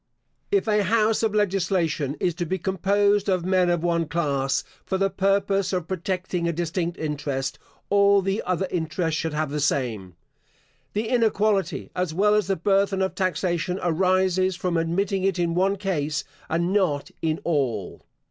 If a house of legislation is to be composed of men of one class, for the purpose of protecting a distinct interest, all the other interests should have the same. The inequality, as well as the burthen of taxation, arises from admitting it in one case, and not in all.